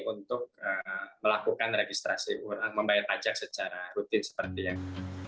untuk melakukan registrasi membayar pajak secara rutin seperti yang